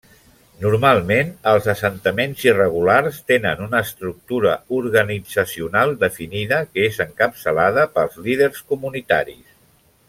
Normalment els assentaments irregulars tenen una estructura organitzacional definida, que és encapçalada pels líders comunitaris.